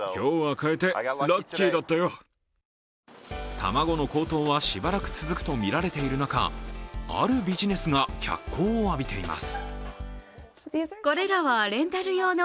卵の高騰はしばらく続くとみられている中あるビジネスが脚光を浴びています。